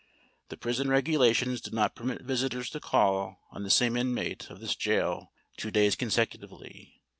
"The prison regulations do not permit visitors to call on the same inmate of this gaol two days consecutively.